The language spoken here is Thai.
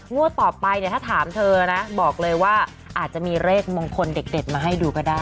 งวดต่อไปเนี่ยถ้าถามเธอนะบอกเลยว่าอาจจะมีเลขมงคลเด็กมาให้ดูก็ได้